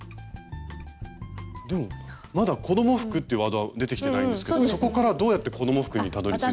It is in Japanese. でもまだ「子ども服」ってワードは出てきてないんですけどそこからどうやって子ども服にたどりついた？